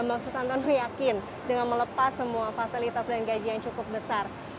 dan bambang susanton yakin dengan melepas semua fasilitas dan gaji yang cukup besar